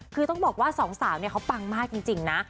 คือต้องบอกว่าสองสาวเนี่ยเขาปังมากจริงนะ